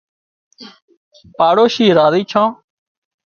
پاڙوشي راضي ڇان